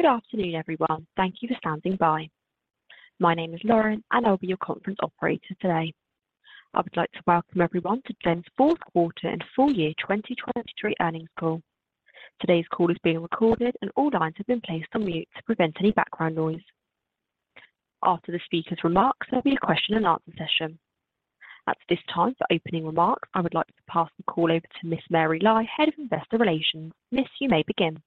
Good afternoon, everyone. Thank you for standing by. My name is Lauren, and I'll be your conference operator today. I would like to welcome everyone to Gen's fourth quarter and full year 2023 earnings call. Today's call is being recorded, and all lines have been placed on mute to prevent any background noise. After the speaker's remarks, there'll be a question-and-answer session. At this time, for opening remarks, I would like to pass the call over to Ms. Mary Lai, Head of Investor Relations. Ms., you may begin.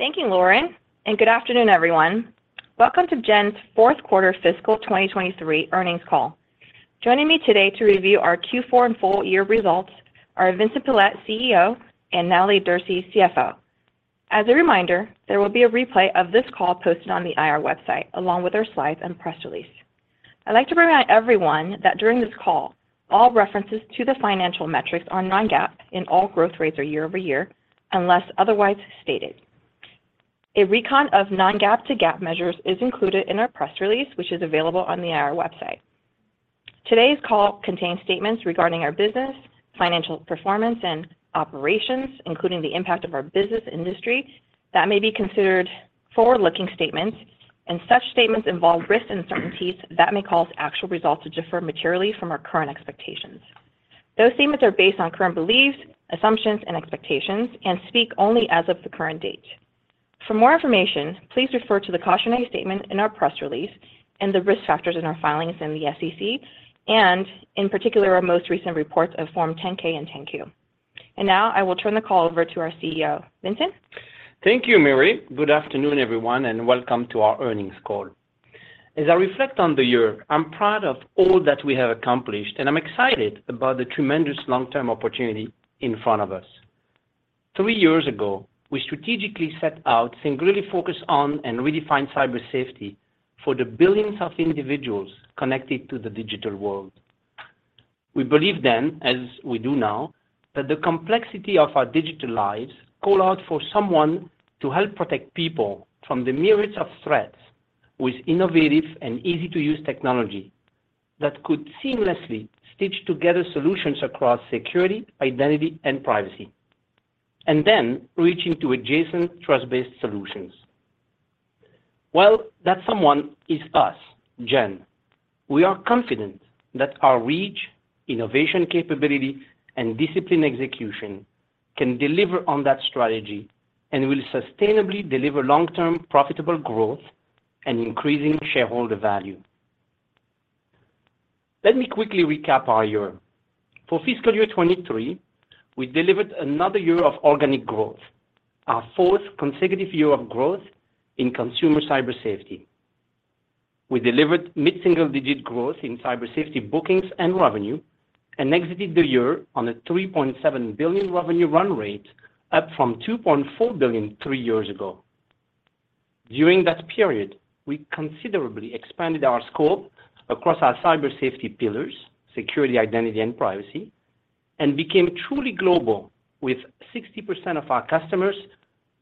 Thank you, Lauren. Good afternoon, everyone. Welcome to Gen's fourth quarter fiscal 2023 earnings call. Joining me today to review our Q4 and full year results are Vincent Pilette, CEO, and Natalie Derse, CFO. As a reminder, there will be a replay of this call posted on the IR website, along with our slides and press release. I'd like to remind everyone that during this call, all references to the financial metrics are non-GAAP and all growth rates are year-over-year, unless otherwise stated. A recon of non-GAAP to GAAP measures is included in our press release, which is available on the IR website. Today's call contains statements regarding our business, financial performance, and operations, including the impact of our business industry that may be considered forward-looking statements, and such statements involve risks and uncertainties that may cause actual results to differ materially from our current expectations. Those statements are based on current beliefs, assumptions, and expectations and speak only as of the current date. For more information, please refer to the cautionary statement in our press release and the risk factors in our filings in the SEC, and in particular, our most recent reports of Form 10-K and 10-Q. Now I will turn the call over to our CEO. Vincent? Thank you, Mary. Good afternoon, everyone, welcome to our earnings call. As I reflect on the year, I'm proud of all that we have accomplished, I'm excited about the tremendous long-term opportunity in front of us. Three years ago, we strategically set out to really focus on and redefine Cyber Safety for the billions of individuals connected to the digital world. We believed then, as we do now, that the complexity of our digital lives call out for someone to help protect people from the myriads of threats with innovative and easy-to-use technology that could seamlessly stitch together solutions across security, identity, and privacy, reaching to adjacent trust-based solutions. Well, that someone is us, Gen. We are confident that our reach, innovation capability, and discipline execution can deliver on that strategy and will sustainably deliver long-term profitable growth and increasing shareholder value. Let me quickly recap our year. For fiscal year 2023, we delivered another year of organic growth, our fourth consecutive year of growth in consumer Cyber Safety. We delivered mid-single-digit growth in Cyber Safety bookings and revenue and exited the year on a $3.7 billion revenue run rate, up from $2.4 billion three years ago. During that period, we considerably expanded our scope across our Cyber Safety pillars, security, identity, and privacy, and became truly global with 60% of our customers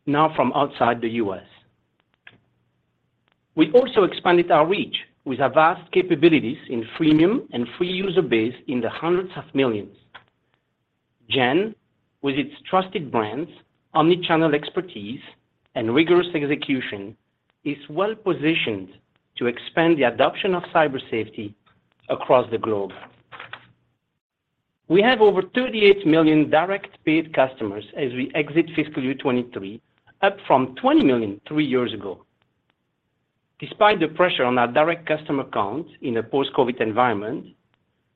now from outside the U.S. We also expanded our reach with Avast capabilities in freemium and free user base in the hundreds of millions. Gen, with its trusted brands, omni-channel expertise, and rigorous execution, is well-positioned to expand the adoption of Cyber Safety across the globe. We have over 38 million direct paid customers as we exit fiscal year 2023, up from 20 million three years ago. Despite the pressure on our direct customer count in a post-COVID environment,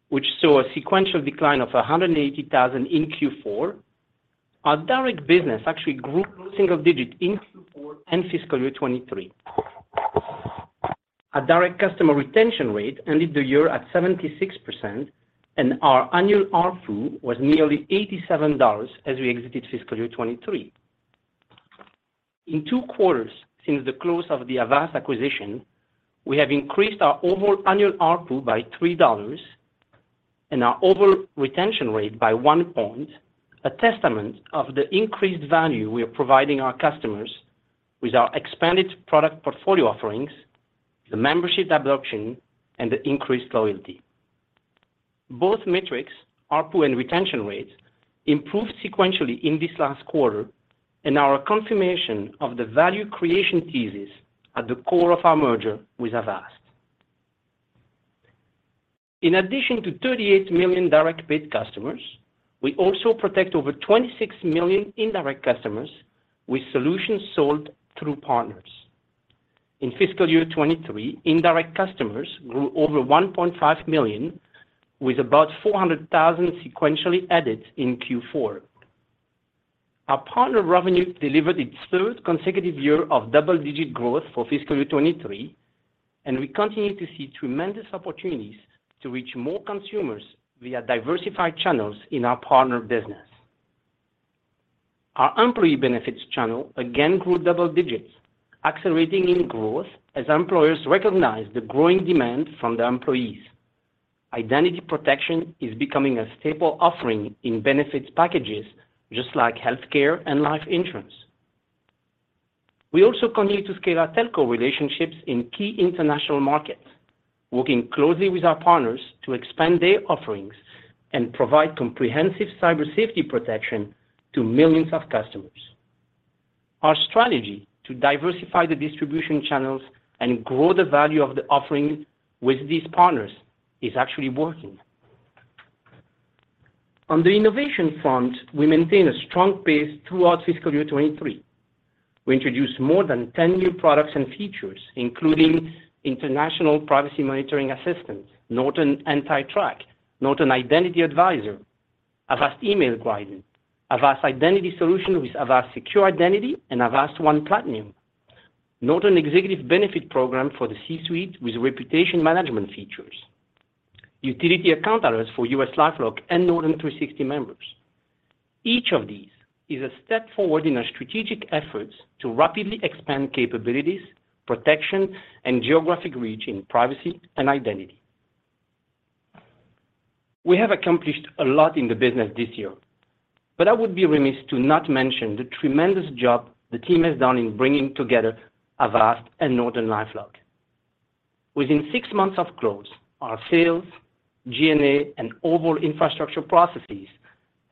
which saw a sequential decline of 180,000 in Q4, our direct business actually grew single digits in Q4 and fiscal year 2023. Our direct customer retention rate ended the year at 76%, and our annual ARPU was nearly $87 as we exited fiscal year 2023. In two quarters since the close of the Avast acquisition, we have increased our overall annual ARPU by $3 and our overall retention rate by one point, a testament of the increased value we are providing our customers with our expanded product portfolio offerings, the membership adoption, and the increased loyalty. Both metrics, ARPU and retention rates, improved sequentially in this last quarter and are a confirmation of the value creation thesis at the core of our merger with Avast. In addition to 38 million direct paid customers, we also protect over 26 million indirect customers with solutions sold through partners. In fiscal year 2023, indirect customers grew over 1.5 million, with about 400,000 sequentially added in Q4. Our partner revenue delivered its third consecutive year of double-digit growth for fiscal year 2023. We continue to see tremendous opportunities to reach more consumers via diversified channels in our partner business. Our employee benefits channel again grew double digits, accelerating in growth as employers recognize the growing demand from their employees. Identity protection is becoming a staple offering in benefits packages just like healthcare and life insurance. We also continue to scale our telco relationships in key international markets, working closely with our partners to expand their offerings and provide comprehensive Cyber Safety protection to millions of customers. Our strategy to diversify the distribution channels and grow the value of the offering with these partners is actually working. On the innovation front, we maintain a strong pace throughout fiscal year 2023. We introduced more than 10 new products and features, including international privacy monitoring assistance, Norton AntiTrack, Norton Identity Advisor, Avast Email Guardian, Avast Identity Solution with Avast Secure Identity and Avast One Platinum, Norton Executive Benefit Program for the C-suite with reputation management features, utility account alerts for U.S. LifeLock and Norton 360 members. Each of these is a step forward in our strategic efforts to rapidly expand capabilities, protection, and geographic reach in privacy and identity. We have accomplished a lot in the business this year. I would be remiss to not mention the tremendous job the team has done in bringing together Avast and NortonLifeLock. Within six months of close, our sales, G&A, and overall infrastructure processes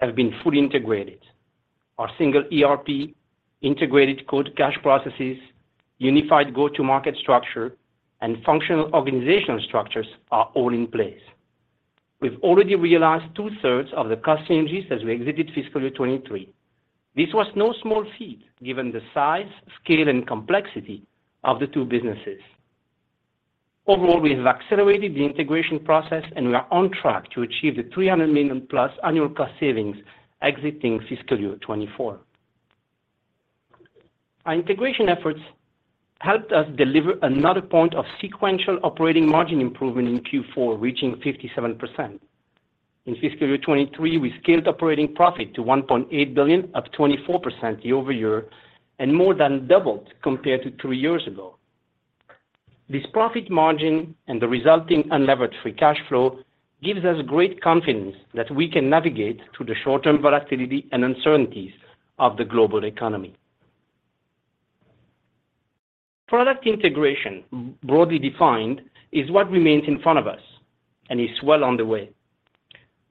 have been fully integrated. Our single ERP, integrated quote-to-cash processes, unified go-to-market structure, and functional organizational structures are all in place. We've already realized 2/3 of the cost synergies as we exited fiscal year 2023. This was no small feat given the size, scale, and complexity of the two businesses. Overall, we have accelerated the integration process, and we are on track to achieve the $300 million+ annual cost savings exiting fiscal year 2024. Our integration efforts helped us deliver another point of sequential operating margin improvement in Q4, reaching 57%. In fiscal year 2023, we scaled operating profit to $1.8 billion, up 24% year-over-year, and more than doubled compared to three years ago. This profit margin and the resulting unlevered free cash flow gives us great confidence that we can navigate through the short-term volatility and uncertainties of the global economy. Product integration, broadly defined, is what remains in front of us and is well on the way.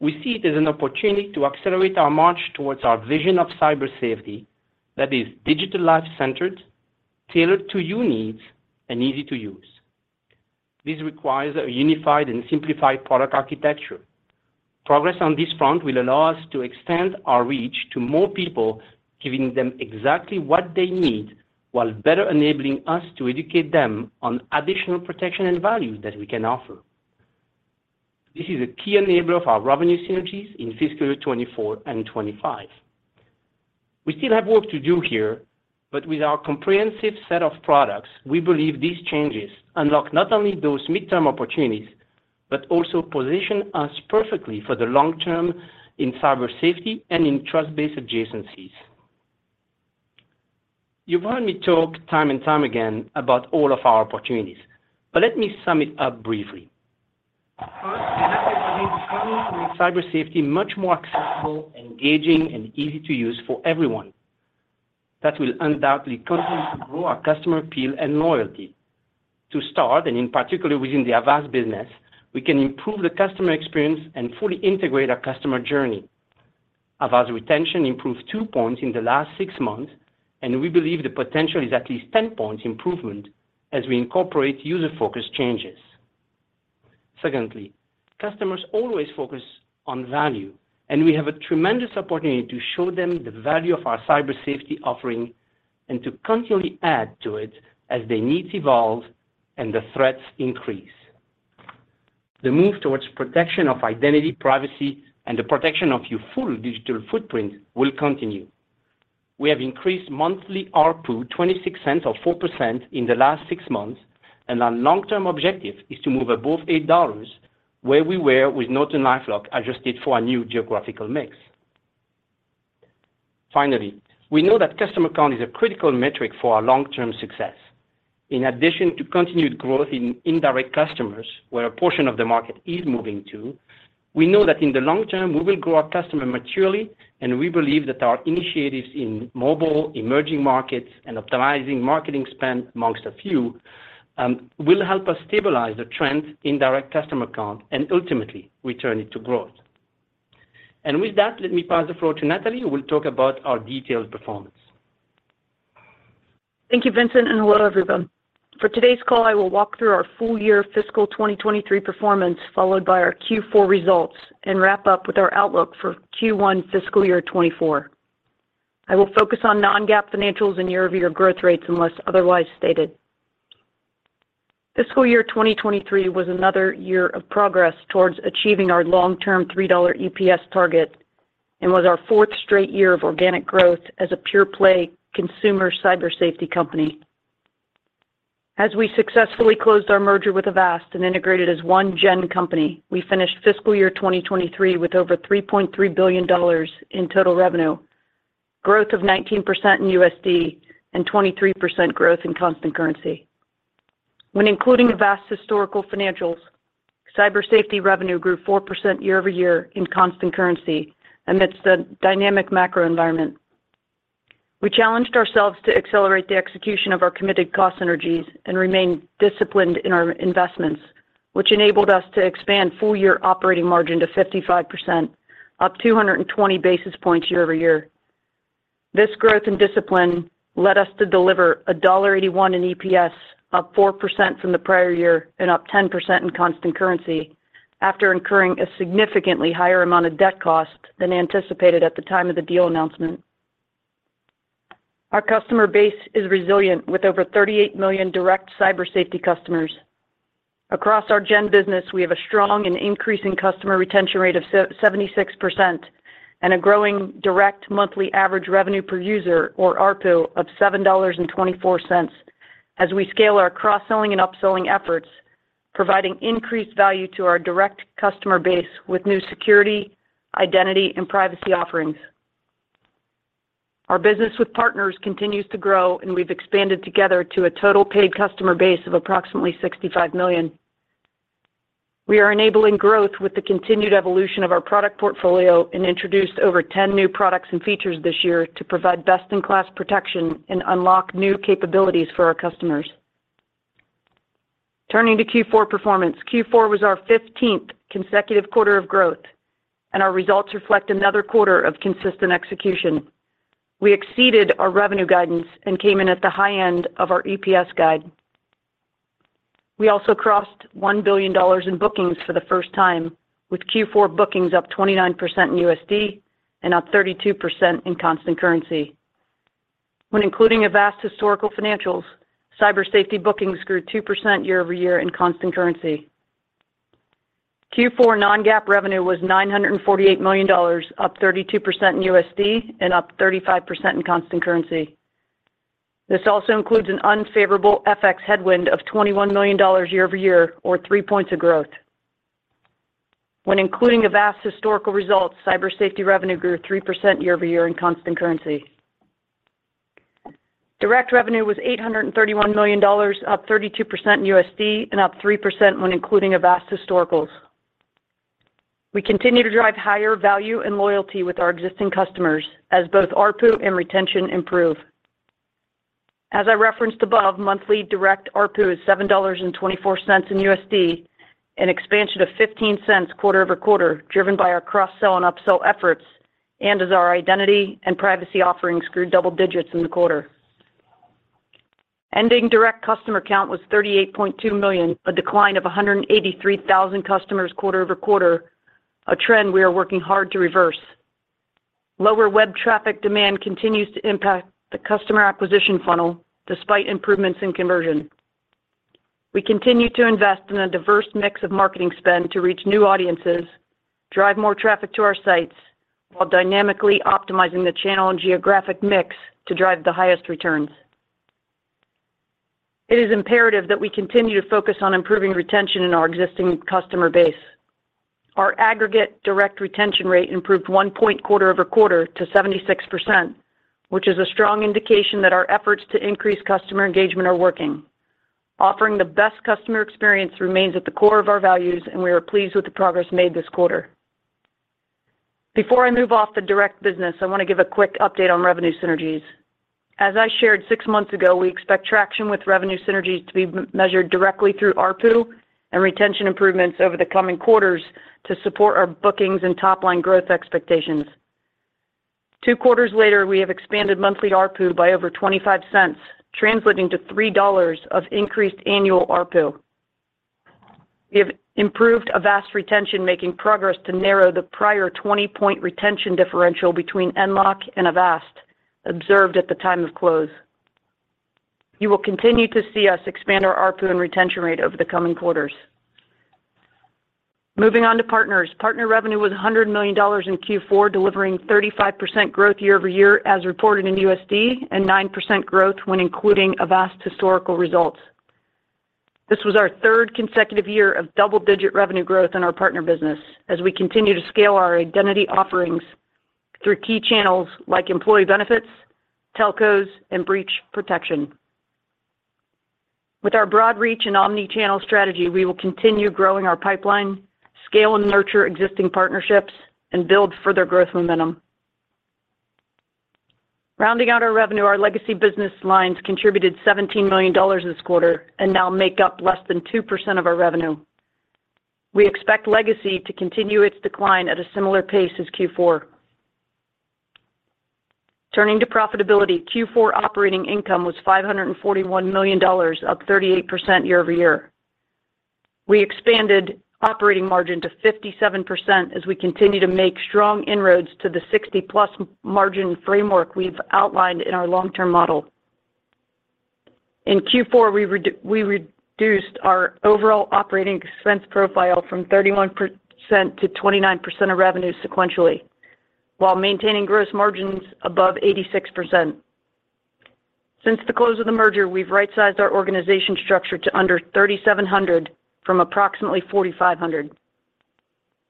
We see it as an opportunity to accelerate our march towards our vision of Cyber Safety that is digital life-centered, tailored to you needs, and easy to use. This requires a unified and simplified product architecture. Progress on this front will allow us to extend our reach to more people, giving them exactly what they need while better enabling us to educate them on additional protection and value that we can offer. This is a key enabler of our revenue synergies in fiscal year 2024 and 2025. We still have work to do here, but with our comprehensive set of products, we believe these changes unlock not only those midterm opportunities but also position us perfectly for the long term in Cyber Safety and in trust-based adjacencies. You've heard me talk time and time again about all of our opportunities but let me sum it up briefly. First, we have a unique opportunity to make Cyber Safety much more accessible, engaging, and easy to use for everyone. That will undoubtedly continue to grow our customer appeal and loyalty. To start, and in particular within the Avast business, we can improve the customer experience and fully integrate our customer journey. Avast retention improved points in the last six months, and we believe the potential is at least 10 points improvement as we incorporate user-focused changes. Secondly, customers always focus on value, and we have a tremendous opportunity to show them the value of our Cyber Safety offering and to continually add to it as their needs evolve and the threats increase. The move towards protection of identity, privacy, and the protection of your full digital footprint will continue. We have increased monthly ARPU $0.26 or 4% in the last six months, and our long-term objective is to move above $8, where we were with NortonLifeLock, adjusted for our new geographical mix. Finally, we know that customer count is a critical metric for our long-term success. In addition to continued growth in indirect customers, where a portion of the market is moving to, we know that in the long term, we will grow our customer maturely, and we believe that our initiatives in mobile, emerging markets, and optimizing marketing spend, amongst a few, will help us stabilize the trend in direct customer count and ultimately return it to growth. With that, let me pass the floor to Natalie, who will talk about our detailed performance. Thank you, Vincent. Hello, everyone. For today's call, I will walk through our full year fiscal 2023 performance, followed by our Q4 results, and wrap up with our outlook for Q1 fiscal year 2024. I will focus on non-GAAP financials and year-over-year growth rates unless otherwise stated. Fiscal year 2023 was another year of progress towards achieving our long-term $3 EPS target and was our fourth straight year of organic growth as a pure-play consumer Cyber Safety company. As we successfully closed our merger with Avast and integrated as one Gen company, we finished fiscal year 2023 with over $3.3 billion in total revenue, growth of 19% in USD, and 23% growth in constant currency. When including Avast historical financials, Cyber Safety revenue grew 4% year-over-year in constant currency amidst a dynamic macro environment. We challenged ourselves to accelerate the execution of our committed cost synergies and remain disciplined in our investments, which enabled us to expand full-year operating margin to 55%, up 220 basis points year-over-year. This growth and discipline led us to deliver $1.81 in EPS, up 4% from the prior year, and up 10% in constant currency after incurring a significantly higher amount of debt cost than anticipated at the time of the deal announcement. Our customer base is resilient with over 38 million direct Cyber Safety customers. Across our Gen business, we have a strong and increasing customer retention rate of 76% and a growing direct monthly average revenue per user, or ARPU, of $7.24 as we scale our cross-selling and upselling efforts, providing increased value to our direct customer base with new security, identity, and privacy offerings. Our business with partners continues to grow, and we've expanded together to a total paid customer base of approximately $65 million. We are enabling growth with the continued evolution of our product portfolio and introduced over 10 new products and features this year to provide best-in-class protection and unlock new capabilities for our customers. Turning to Q4 performance, Q4 was our 15th consecutive quarter of growth, and our results reflect another quarter of consistent execution. We exceeded our revenue guidance and came in at the high end of our EPS guide. We also crossed $1 billion in bookings for the first time, with Q4 bookings up 29% in USD and up 32% in constant currency. When including Avast historical financials, Cyber Safety bookings grew 2% year-over-year in constant currency. Q4 non-GAAP revenue was $948 million, up 32% in USD and up 35% in constant currency. This also includes an unfavorable FX headwind of $21 million year-over-year or three points of growth. When including Avast historical results, Cyber Safety revenue grew 3% year-over-year in constant currency. Direct revenue was $831 million, up 32% in USD and up 3% when including Avast historicals. We continue to drive higher value and loyalty with our existing customers as both ARPU and retention improve. As I referenced above, monthly direct ARPU is $7.24 in USD, an expansion of $0.15 quarter-over-quarter, driven by our cross-sell and upsell efforts, and as our identity and privacy offerings grew double digits in the quarter. Ending direct customer count was 38.2 million, a decline of 183,000 customers quarter-over-quarter, a trend we are working hard to reverse. Lower web traffic demand continues to impact the customer acquisition funnel despite improvements in conversion. We continue to invest in a diverse mix of marketing spend to reach new audiences, drive more traffic to our sites while dynamically optimizing the channel and geographic mix to drive the highest returns. It is imperative that we continue to focus on improving retention in our existing customer base. Our aggregate direct retention rate improved one point quarter-over-quarter to 76%, which is a strong indication that our efforts to increase customer engagement are working. Offering the best customer experience remains at the core of our values, and we are pleased with the progress made this quarter. Before I move off the direct business, I want to give a quick update on revenue synergies. As I shared six months ago, we expect traction with revenue synergies to be measured directly through ARPU and retention improvements over the coming quarters to support our bookings and top-line growth expectations. two quarters later, we have expanded monthly ARPU by over $0.25, translating to $3 of increased annual ARPU. We have improved Avast retention, making progress to narrow the prior 20-point retention differential between NortonLifeLock and Avast observed at the time of close. You will continue to see us expand our ARPU and retention rate over the coming quarters. Moving on to partners. Partner revenue was $100 million in Q4, delivering 35% growth year-over-year as reported in USD and 9% growth when including Avast historical results. This was our third consecutive year of double-digit revenue growth in our partner business as we continue to scale our identity offerings through key channels like employee benefits, telcos, and breach protection. With our broad reach and omni-channel strategy, we will continue growing our pipeline, scale and nurture existing partnerships, and build further growth momentum. Rounding out our revenue, our legacy business lines contributed $17 million this quarter and now make up less than 2% of our revenue. We expect legacy to continue its decline at a similar pace as Q4. Turning to profitability, Q4 operating income was $541 million, up 38% year-over-year. We expanded operating margin to 57% as we continue to make strong inroads to the 60-plus margin framework we've outlined in our long-term model. In Q4, we reduced our overall operating expense profile from 31% to 29% of revenue sequentially, while maintaining gross margins above 86%. Since the close of the merger, we've right sized our organization structure to under 3,700 from approximately 4,500.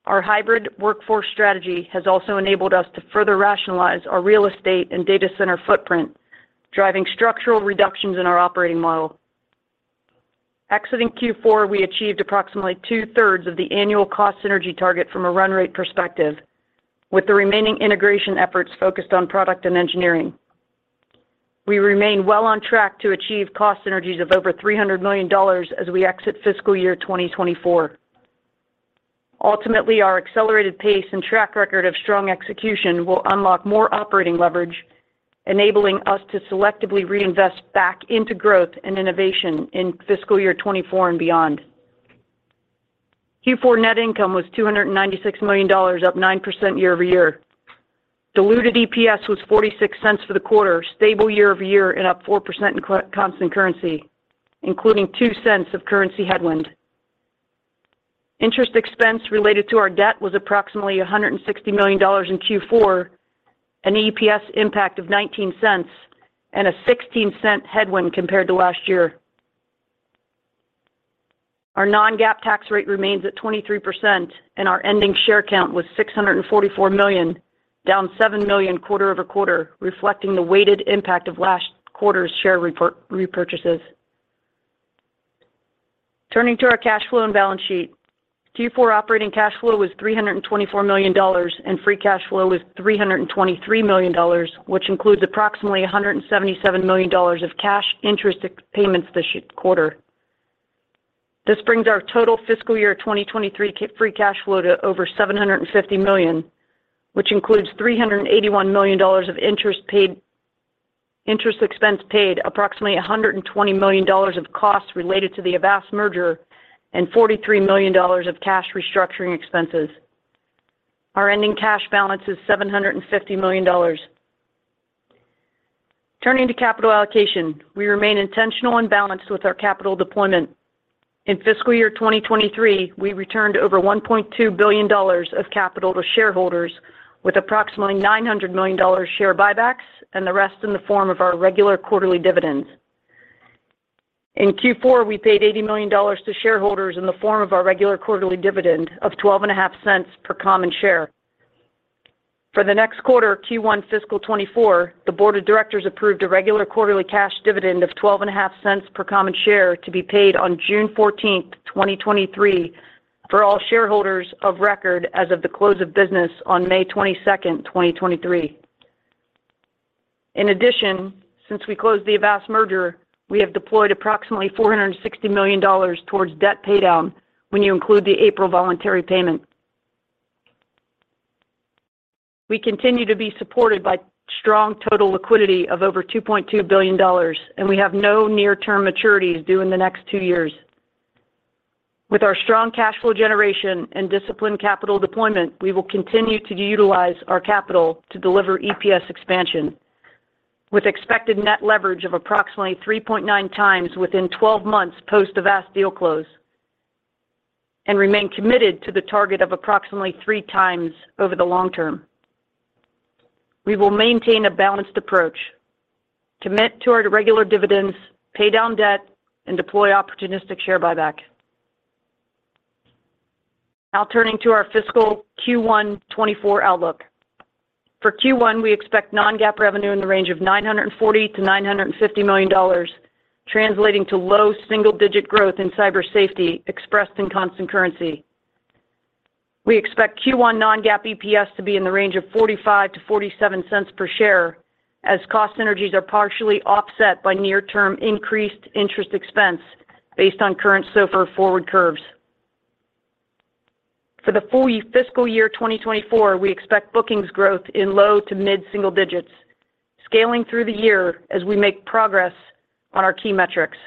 Our hybrid workforce strategy has also enabled us to further rationalize our real estate and data center footprint, driving structural reductions in our operating model. Exiting Q4, we achieved approximately 2/3 of the annual cost synergy target from a run rate perspective, with the remaining integration efforts focused on product and engineering. We remain well on track to achieve cost synergies of over $300 million as we exit fiscal year 2024. Ultimately, our accelerated pace and track record of strong execution will unlock more operating leverage, enabling us to selectively reinvest back into growth and innovation in fiscal year 2024 and beyond. Q4 net income was $296 million, up 9% year-over-year. Diluted EPS was $0.46 for the quarter, stable year-over-year and up 4% in constant currency, including $0.02 of currency headwind. Interest expense related to our debt was approximately $160 million in Q4, an EPS impact of $0.19 and a $0.16 headwind compared to last year. Our non-GAAP tax rate remains at 23%, and our ending share count was 644 million, down 7 million quarter-over-quarter, reflecting the weighted impact of last quarter's share repurchases. Turning to our cash flow and balance sheet. Q4 operating cash flow was $324 million, and free cash flow was $323 million, which includes approximately $177 million of cash interest payments this quarter. This brings our total fiscal year 2023 free cash flow to over $750 million, which includes $381 million of interest expense paid, approximately $120 million of costs related to the Avast merger, and $43 million of cash restructuring expenses. Our ending cash balance is $750 million. Turning to capital allocation. We remain intentional and balanced with our capital deployment. In fiscal year 2023, we returned over $1.2 billion of capital to shareholders with approximately $900 million share buybacks and the rest in the form of our regular quarterly dividends. In Q4, we paid $80 million to shareholders in the form of our regular quarterly dividend of $0.125 per common share. For the next quarter, Q1 fiscal 2024, the board of directors approved a regular quarterly cash dividend of $0.125 per common share to be paid on June 14th, 2023, for all shareholders of record as of the close of business on May 22nd, 2023. In addition, since we closed the Avast merger, we have deployed approximately $460 million towards debt paydown when you include the April voluntary payment. We continue to be supported by strong total liquidity of over $2.2 billion, and we have no near-term maturities due in the next two years. With our strong cash flow generation and disciplined capital deployment, we will continue to utilize our capital to deliver EPS expansion with expected net leverage of approximately 3.9x within 12 months post Avast deal close and remain committed to the target of approximately 3x over the long term. We will maintain a balanced approach, commit to our regular dividends, pay down debt, and deploy opportunistic share buyback. Now turning to our fiscal Q1 2024 outlook. For Q1, we expect non-GAAP revenue in the range of $940 million-$950 million, translating to low single-digit growth in Cyber Safety expressed in constant currency. We expect Q1 non-GAAP EPS to be in the range of $0.45-$0.47 per share as cost synergies are partially offset by near-term increased interest expense based on current SOFR forward curves. For the full fiscal year 2024, we expect bookings growth in low to mid-single digits, scaling through the year as we make progress on our key metrics.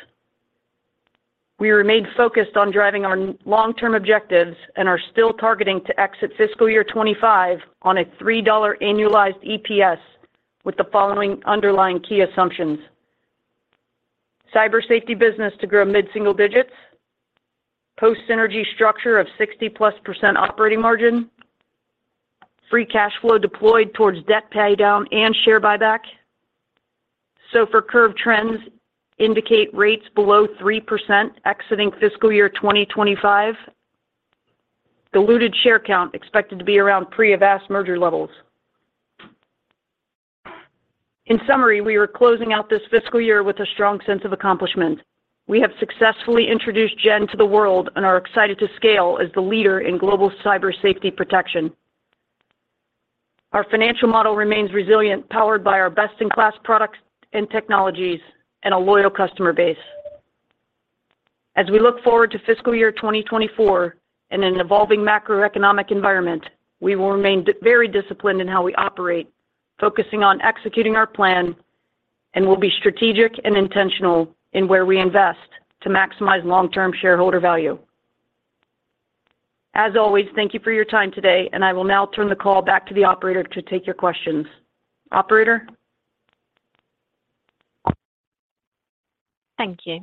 We remain focused on driving our long-term objectives and are still targeting to exit fiscal year 2025 on a $3 annualized EPS with the following underlying key assumptions. Cyber Safety business to grow mid-single digits. Post synergy structure of 60%+ operating margin. Free cash flow deployed towards debt paydown and share buyback. SOFR curve trends indicate rates below 3% exiting fiscal year 2025. Diluted share count expected to be around pre-Avast merger levels. In summary, we are closing out this fiscal year with a strong sense of accomplishment. We have successfully introduced Gen to the world and are excited to scale as the leader in global Cyber Safety protection. Our financial model remains resilient, powered by our best-in-class products and technologies and a loyal customer base. As we look forward to fiscal year 2024 in an evolving macroeconomic environment, we will remain very disciplined in how we operate, focusing on executing our plan, and we'll be strategic and intentional in where we invest to maximize long-term shareholder value. As always, thank you for your time today, and I will now turn the call back to the operator to take your questions. Operator? Thank you.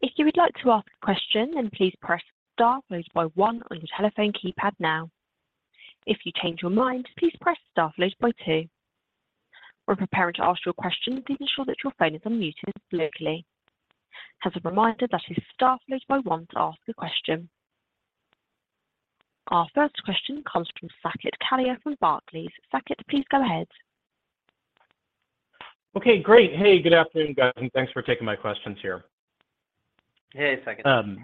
If you would like to ask a question, please press star followed by one on your telephone keypad now. If you change your mind, please press star followed by two. When preparing to ask your question, please ensure that your phone is on mute locally. As a reminder that is star followed by one to ask a question. Our first question comes from Saket Kalia from Barclays. Saket, please go ahead. Okay, great. Hey, good afternoon, guys, and thanks for taking my questions here. Hey, Saket.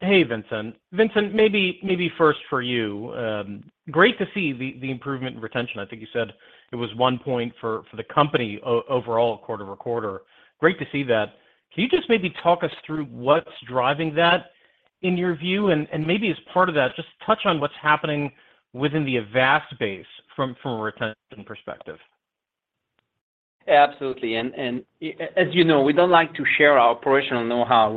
Hey, Vincent, maybe first for you. Great to see the improvement in retention. I think you said it was one point for the company overall quarter-over-quarter. Great to see that. Can you just maybe talk us through what's driving that in your view? Maybe as part of that, just touch on what's happening within the Avast base from a retention perspective. Absolutely. As you know, we don't like to share our operational know-how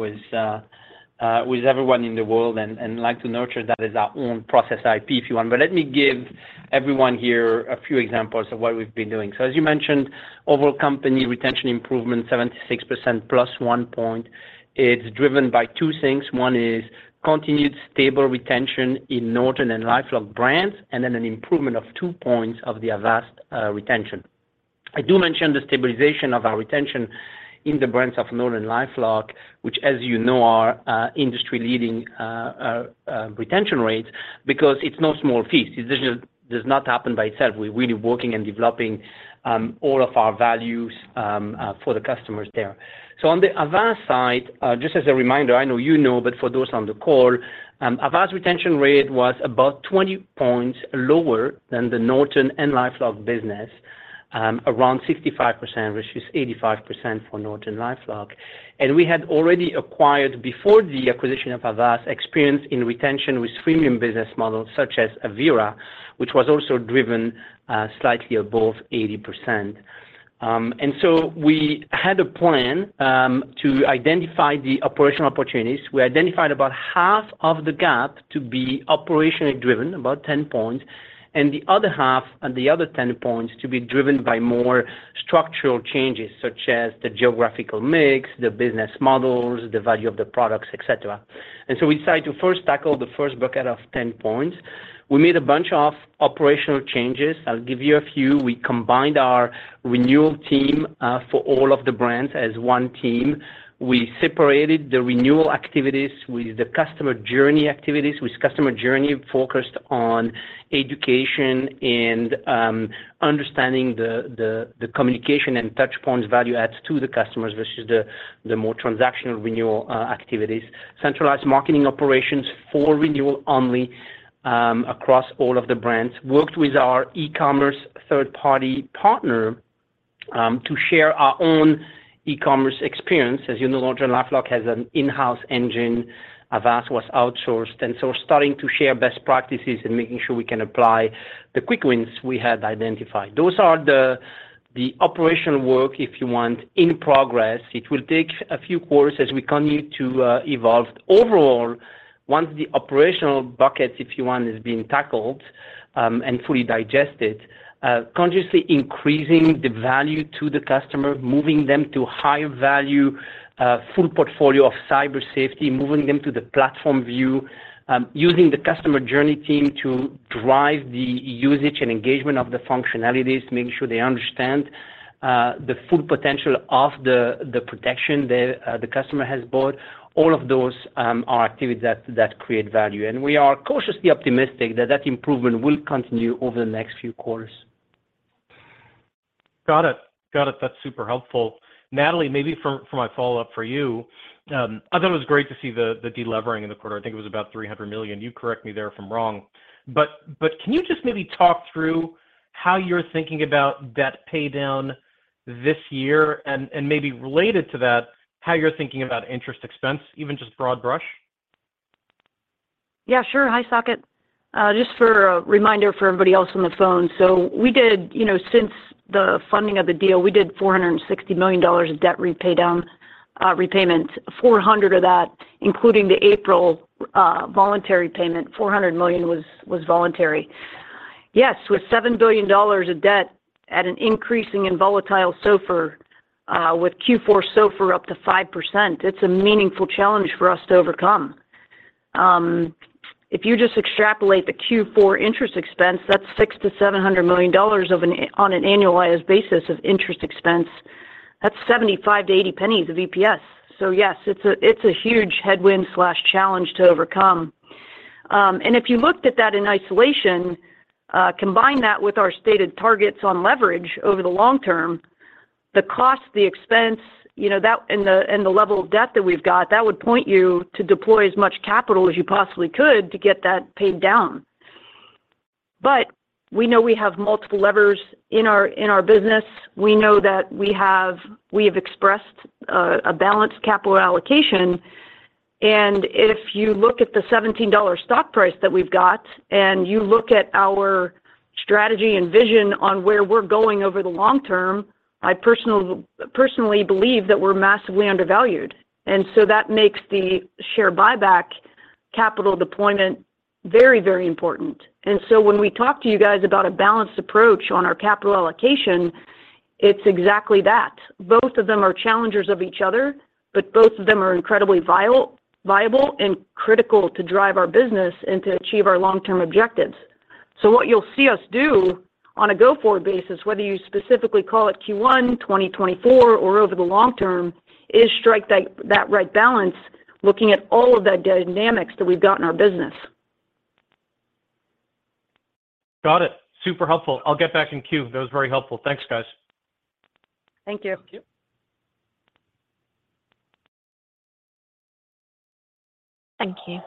with everyone in the world and like to nurture that as our own process IP if you want. Let me give everyone here a few examples of what we've been doing. As you mentioned, overall company retention improvement 76% plus one point. It's driven by two things. One is continued stable retention in Norton and LifeLock brands, and then an improvement of two points of the Avast retention. I do mention the stabilization of our retention in the brands of Norton and LifeLock, which as you know, are industry leading retention rates because it's no small feat. This just does not happen by itself. We're really working and developing all of our values for the customers there. On the Avast side, just as a reminder, I know you know, but for those on the call, Avast retention rate was about 20 points lower than the Norton and LifeLock business, around 65%, versus 85% for NortonLifeLock. We had already acquired before the acquisition of Avast, experience in retention with freemium business models such as Avira, which was also driven, slightly above 80%. We had a plan to identify the operational opportunities. We identified about half of the gap to be operationally driven, about 10 points, and the other half and the other 10 points to be driven by more structural changes, such as the geographical mix, the business models, the value of the products, et cetera. We decided to first tackle the first bucket of 10 points. We made a bunch of operational changes. I'll give you a few. We combined our renewal team for all of the brands as one team. We separated the renewal activities with the customer journey activities, with customer journey focused on education and understanding the communication and touch points value adds to the customers versus the more transactional renewal activities. Centralized marketing operations for renewal only across all of the brands. Worked with our e-commerce third party partner to share our own e-commerce experience. As you know, NortonLifeLock has an in-house engine. Avast was outsourced. Starting to share best practices and making sure we can apply the quick wins we had identified. Those are the operational work, if you want, in progress. It will take a few quarters as we continue to evolve. Overall, once the operational buckets, if you want, is being tackled, and fully digested, consciously increasing the value to the customer, moving them to higher value, full portfolio of Cyber Safety, moving them to the platform view, using the customer journey team to drive the usage and engagement of the functionalities, making sure they understand the full potential of the protection the customer has bought. All of those, are activities that create value. We are cautiously optimistic that that improvement will continue over the next few quarters. Got it. That's super helpful. Natalie, maybe for my follow-up for you. I thought it was great to see the de-levering in the quarter. I think it was about $300 million. You correct me there if I'm wrong. Can you just maybe talk through how you're thinking about debt paydown this year and maybe related to that, how you're thinking about interest expense, even just broad brush? Yeah, sure. Hi, Saket. Just for a reminder for everybody else on the phone. We did, you know, since the funding of the deal, we did $460 million of debt repayment. $400 of that, including the April voluntary payment, $400 million was voluntary. Yes, with $7 billion of debt at an increasing and volatile SOFR, with Q4 SOFR up to 5%, it's a meaningful challenge for us to overcome. If you just extrapolate the Q4 interest expense, that's $600 million-$700 million on an annualized basis of interest expense. That's $0.75-$0.80 of EPS. Yes, it's a huge headwind/challenge to overcome. If you looked at that in isolation, combine that with our stated targets on leverage over the long term, the cost, the expense, you know, that and the, and the level of debt that we've got, that would point you to deploy as much capital as you possibly could to get that paid down. We know we have multiple levers in our, in our business. We know that we have expressed a balanced capital allocation. If you look at the $17 stock price that we've got and you look at our strategy and vision on where we're going over the long term, I personally believe that we're massively undervalued. That makes the share buyback capital deployment very, very important. When we talk to you guys about a balanced approach on our capital allocation, it's exactly that. Both of them are challengers of each other, both of them are incredibly vital, viable and critical to drive our business and to achieve our long-term objectives. What you'll see us do on a go-forward basis, whether you specifically call it Q1 2024 or over the long term, is strike that right balance looking at all of the dynamics that we've got in our business. Got it. Super helpful. I'll get back in queue. That was very helpful. Thanks, guys. Thank you. Thank you.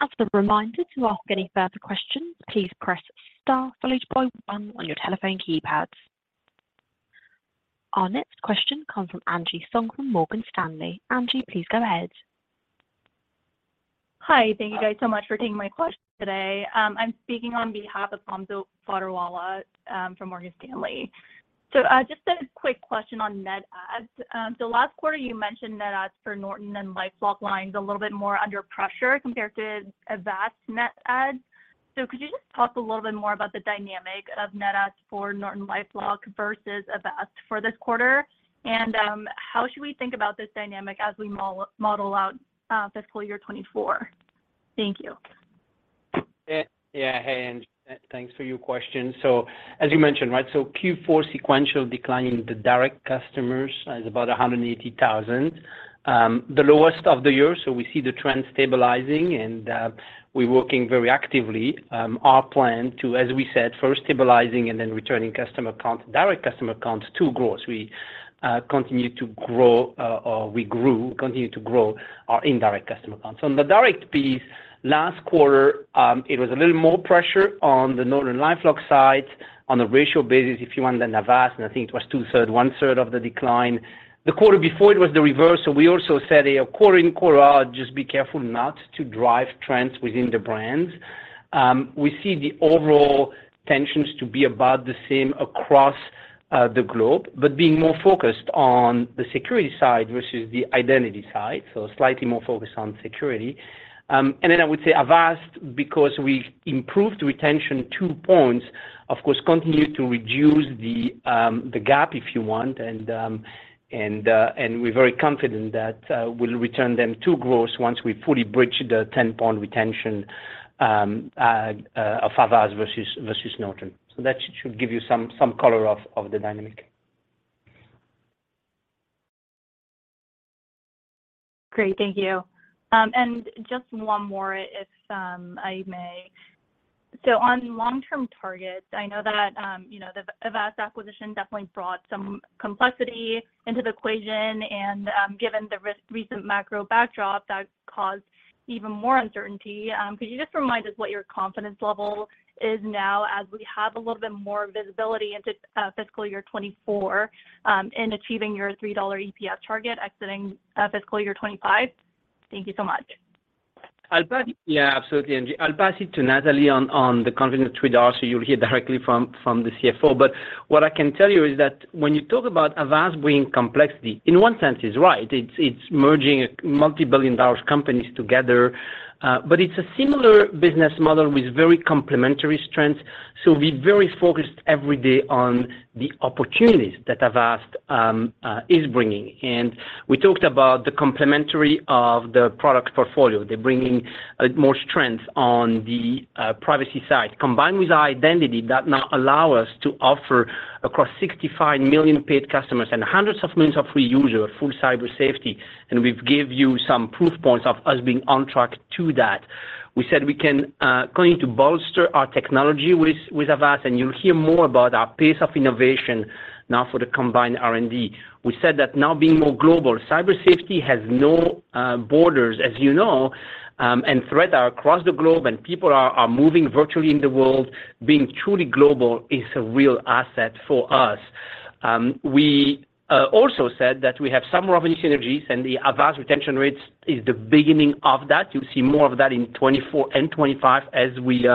As a reminder to ask any further questions, please press star followed by one on your telephone keypads. Our next question comes from Angie Song from Morgan Stanley. Angie, please go ahead. Hi. Thank you, guys, so much for taking my question today. I'm speaking on behalf of Hamza Fodderwala from Morgan Stanley. Just a quick question on net adds. Last quarter you mentioned net adds for Norton and LifeLock lines a little bit more under pressure compared to Avast net adds. Could you just talk a little bit more about the dynamic of net adds for Norton LifeLock versus Avast for this quarter? How should we think about this dynamic as we model out fiscal year 2024? Thank you. Yeah. Hey, Angie. Thanks for your question. As you mentioned, right, Q4 sequential decline in the direct customers is about 180,000. The lowest of the year, we see the trend stabilizing, and we're working very actively, our plan to, as we said, first stabilizing and then returning customer count, direct customer counts to growth. We continue to grow our indirect customer counts. On the direct piece, last quarter, it was a little more pressure on the NortonLifeLock side on a ratio basis if you want the Avast, I think it was 2/3, 1/3 of the decline. The quarter before it was the reverse, we also said quarter and quarter out, just be careful not to drive trends within the brands. We see the overall tensions to be about the same across the globe, but being more focused on the security side versus the identity side, so slightly more focused on security. I would say Avast, because we improved retention two points, of course, continue to reduce the gap if you want and and we're very confident that we'll return them to growth once we fully bridge the 10-point retention of Avast versus Norton. That should give you some color of the dynamic. Great. Thank you. Just one more if I may. On long-term targets, I know that, you know, the Avast acquisition definitely brought some complexity into the equation and given the recent macro backdrop, that caused even more uncertainty. Could you just remind us of what your confidence level is now as we have a little bit more visibility into fiscal year 2024 in achieving your $3 EPS target exiting fiscal year 2025? Thank you so much. I'll pass. Yeah, absolutely, Angie. I'll pass it to Natalie on the confidence we have, so you'll hear directly from the CFO. What I can tell you is that when you talk about Avast bringing complexity, in one sense it's right. It's merging multibillion-dollar companies together, but it's a similar business model with very complementary strengths. We're very focused every day on the opportunities that Avast is bringing. We talked about the complementary of the product portfolio. They're bringing more strength on the privacy side. Combined with our identity, that now allow us to offer across 65 million paid customers and hundreds of millions of free users full Cyber Safety. We've gave you some proof points of us being on track to that. We said we can continue to bolster our technology with Avast, and you'll hear more about our pace of innovation now for the combined R&D. We said that now being more global, Cyber Safety has no borders, as you know, and threats are across the globe and people are moving virtually in the world. Being truly global is a real asset for us. We also said that we have some revenue synergies and the Avast retention rates is the beginning of that. You'll see more of that in 2024 and 2025 as we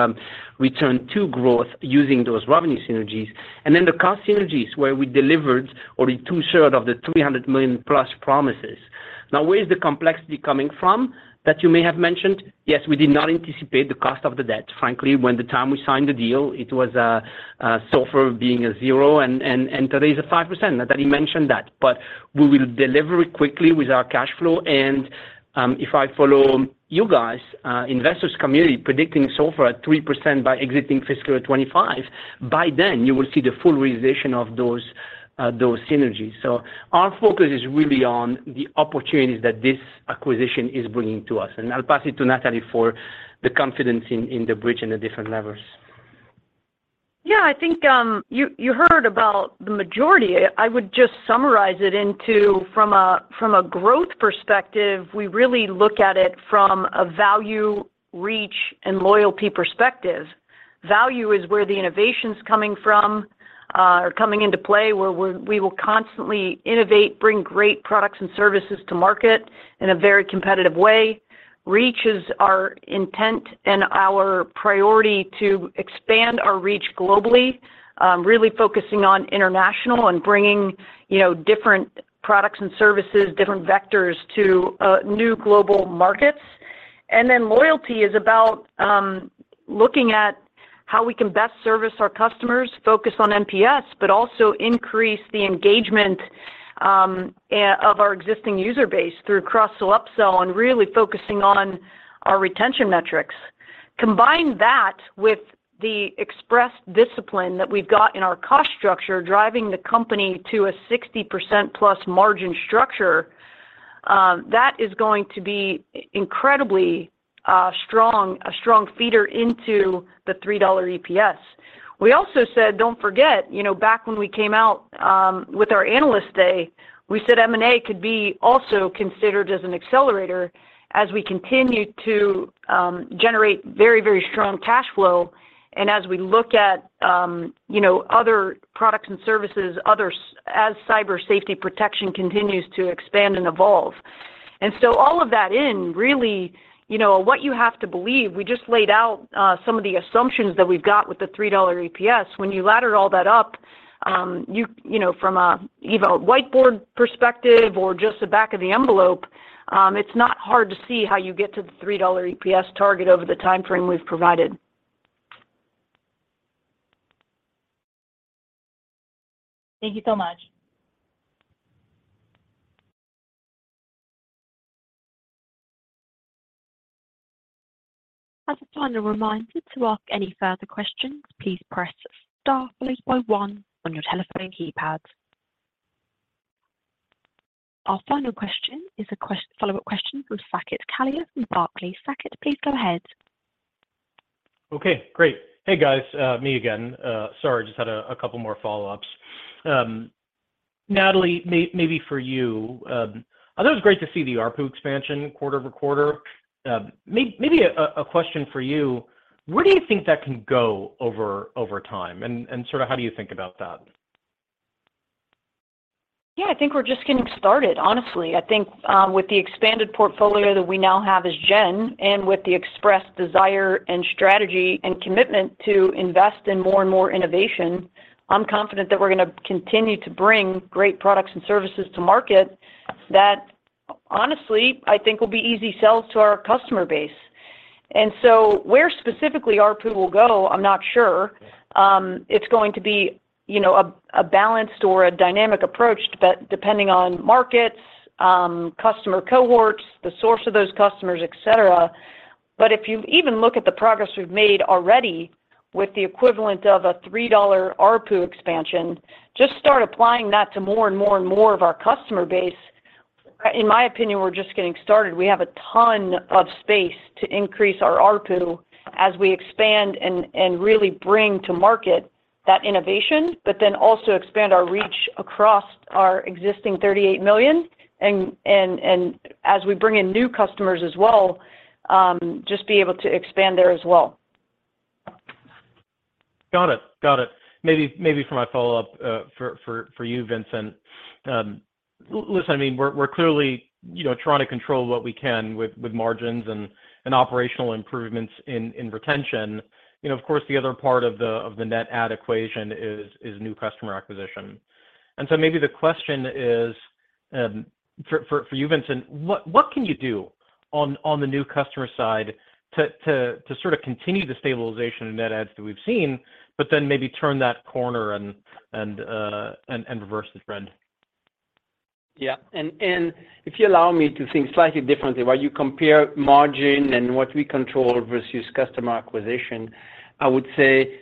return to growth using those revenue synergies. The cost synergies where we delivered already 2/3 of the $300 million+ promises. Now where is the complexity coming from that you may have mentioned? Yes, we did not anticipate the cost of the debt, frankly. When the time we signed the deal, it was software being a zero and today is a 5%. Natalie mentioned that. We will deliver it quickly with our cash flow. If I follow you guys, investors community predicting software at 3% by exiting fiscal 2025, by then you will see the full realization of those synergies. Our focus is really on the opportunities that this acquisition is bringing to us. I'll pass it to Natalie for the confidence in the bridge and the different levers. Yeah. I think, you heard about the majority. I would just summarize it into from a, from a growth perspective, we really look at it from a value, reach, and loyalty perspective. Value is where the innovation's coming from, or coming into play, where we will constantly innovate, bring great products and services to market in a very competitive way. Reach is our intent and our priority to expand our reach globally, really focusing on international and bringing, you know, different products and services, different vectors to new global markets. Loyalty is about looking at how we can best service our customers, focus on NPS, but also increase the engagement of our existing user base through cross-sell, upsell, and really focusing on our retention metrics. Combine that with the express discipline that we've got in our cost structure, driving the company to a 60% plus margin structure, that is going to be incredibly a strong feeder into the $3 EPS. We also said, don't forget, you know, back when we came out with our Analyst Day, we said M&A could be also considered as an accelerator as we continue to generate very, very strong cash flow and as we look at, you know, other products and services, other as Cyber Safety protection continues to expand and evolve. All of that in, really, you know, what you have to believe, we just laid out some of the assumptions that we've got with the $3 EPS. When you ladder all that up, you know, from a, you know, a whiteboard perspective or just the back of the envelope, it's not hard to see how you get to the $3 EPS target over the timeframe we've provided. Thank you so much. As a final reminder, to ask any further questions, please press star followed by one on your telephone keypads. Our final question is a follow-up question from Saket Kalia from Barclays. Saket, please go ahead. Okay. Great. Hey, guys, me again. Sorry, just had a couple more follow-ups. Natalie, maybe for you, I thought it was great to see the ARPU expansion quarter-over-quarter. Maybe a question for you: where do you think that can go over time? Sort of how do you think about that? Yeah. I think we're just getting started, honestly. I think, with the expanded portfolio that we now have as Gen and with the expressed desire and strategy and commitment to invest in more and more innovation, I'm confident that we're going to continue to bring great products and services to market that honestly, I think will be easy sells to our customer base. Where specifically ARPU will go, I'm not sure. It's going to be, you know, a balanced or a dynamic approach depending on markets, customer cohorts, the source of those customers, et cetera. If you even look at the progress we've made already with the equivalent of a $3 ARPU expansion, just start applying that to more and more and more of our customer base, in my opinion, we're just getting started. We have a ton of space to increase our ARPU as we expand and really bring to market that innovation, but then also expand our reach across our existing 38 million, and as we bring in new customers as well, just be able to expand there as well. Got it. Maybe for my follow-up, for you, Vincent, listen, I mean, we're clearly, you know, trying to control what we can with margins and operational improvements in retention. You know, of course, the other part of the net add equation is new customer acquisition. Maybe the question is, for you, Vincent, what can you do on the new customer side to sort of continue the stabilization in net adds that we've seen, but then maybe turn that corner and reverse the trend? Yeah. And if you allow me to think slightly differently, while you compare margin and what we control versus customer acquisition, I would say,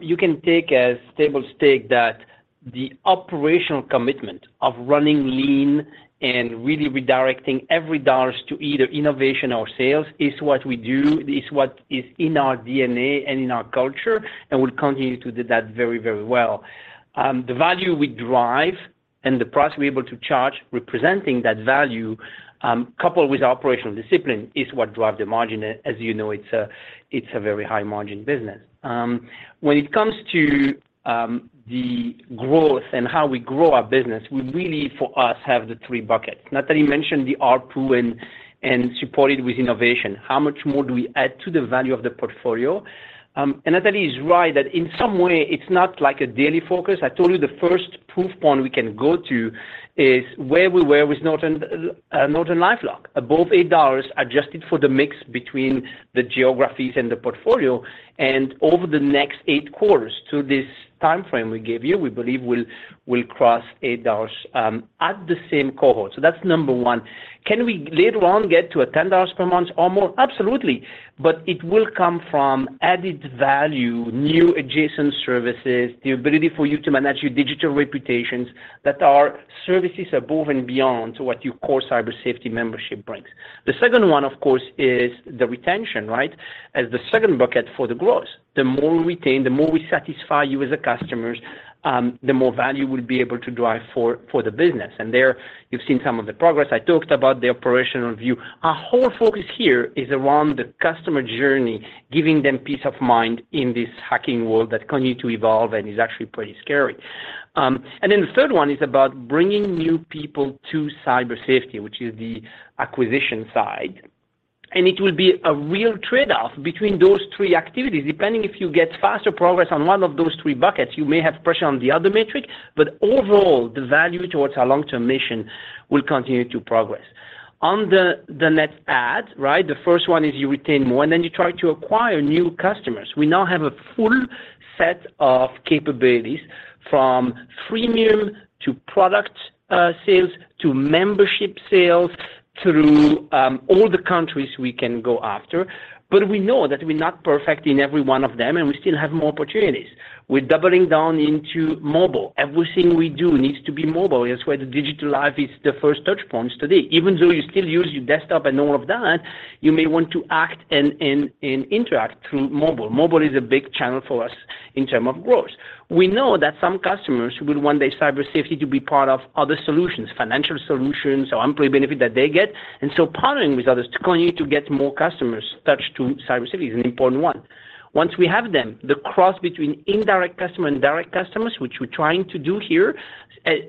you can take a stable stake that the operational commitment of running lean and really redirecting every dollars to either innovation or sales is what we do, is what is in our DNA and in our culture, and we'll continue to do that very well. The value we drive and the price we're able to charge representing that value, coupled with operational discipline, is what drives the margin. As you know, it's a very high margin business. When it comes to the growth and how we grow our business, we really, for us, have the three buckets. Natalie mentioned the ARPU and supported with innovation. How much more do we add to the value of the portfolio? Natalie is right that in some way it's not like a daily focus. I told you the first proof point we can go to is where we were with Norton, NortonLifeLock, above $8, adjusted for the mix between the geographies and the portfolio. Over the next eight quarters to this timeframe, we gave you, we believe we'll cross $8 at the same cohort. That's number one. Can we later on get to a $10 per month or more? Absolutely. It will come from added value, new adjacent services, the ability for you to manage your digital reputations that our services above and beyond to what you call Cyber Safety membership brings. The second one, of course, is the retention, right? As the second bucket for the growth. The more we retain, the more we satisfy you as the customers, the more value we'll be able to drive for the business. There you've seen some of the progress. I talked about the operational view. Our whole focus here is around the customer journey, giving them peace of mind in this hacking world that continue to evolve and is actually pretty scary. Then the third one is about bringing new people to Cyber Safety, which is the acquisition side. It will be a real trade-off between those three activities. Depending if you get faster progress on one of those three buckets, you may have pressure on the other metric, but overall, the value towards our long-term mission will continue to progress. On the net add, right? The first one is you retain more, and then you try to acquire new customers. We now have a full set of capabilities from freemium to product sales to membership sales through all the countries we can go after. We know that we're not perfect in every one of them, and we still have more opportunities. We're doubling down into mobile. Everything we do needs to be mobile. It's where the digital life is the first touchpoint today. Even though you still use your desktop and all of that, you may want to act and interact through mobile. Mobile is a big channel for us in term of growth. We know that some customers will want their Cyber Safety to be part of other solutions, financial solutions or employee benefit that they get. Partnering with others to continue to get more customers touched to Cyber Safety is an important one. Once we have them, the cross between indirect customer and direct customers, which we're trying to do here,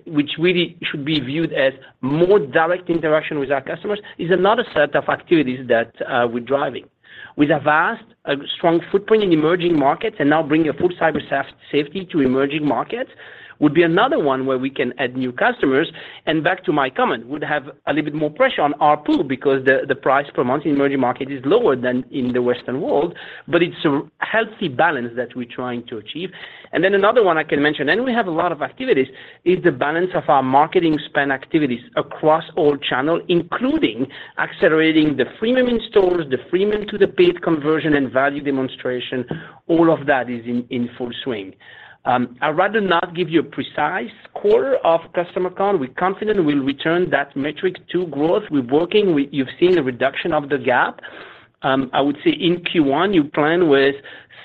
which really should be viewed as more direct interaction with our customers, is another set of activities that we're driving. With Avast, a strong footprint in emerging markets and now bringing a full Cyber Safety to emerging markets would be another one where we can add new customers. Back to my comment, would have a little bit more pressure on our pool because the price per month in emerging market is lower than in the Western world, but it's a healthy balance that we're trying to achieve. Another one I can mention, and we have a lot of activities, is the balance of our marketing spend activities across all channels, including accelerating the freemium installs, the freemium to the paid conversion and value demonstration. All of that is in full swing. I'd rather not give you a precise quarter of customer count. We're confident we'll return that metric to growth. We're working. You've seen a reduction of the gap. I would say in Q1, you plan with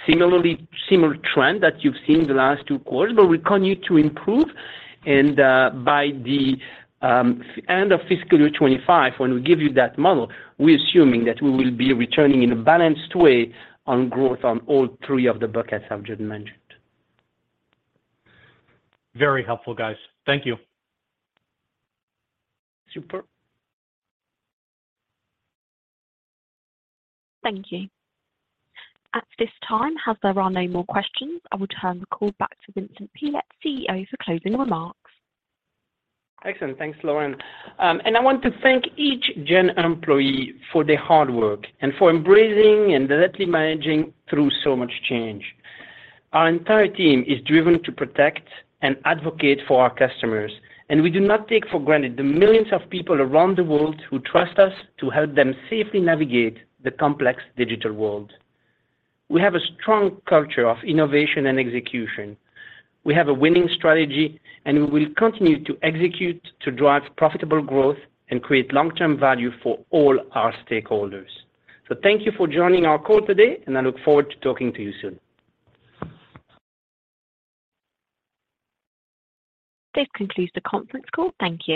similar trend that you've seen the last two quarters, but we continue to improve. By the end of fiscal year 2025, when we give you that model, we're assuming that we will be returning in a balanced way on growth on all three of the buckets I've just mentioned. Very helpful, guys. Thank you. Super. Thank you. At this time, as there are no more questions, I will turn the call back to Vincent Pilette, CEO, for closing remarks. Excellent. Thanks, Lauren. I want to thank each Gen employee for their hard work and for embracing and directly managing through so much change. Our entire team is driven to protect and advocate for our customers, and we do not take for granted the millions of people around the world who trust us to help them safely navigate the complex digital world. We have a strong culture of innovation and execution. We have a winning strategy, and we will continue to execute to drive profitable growth and create long-term value for all our stakeholders. Thank you for joining our call today, and I look forward to talking to you soon. This concludes the conference call. Thank you.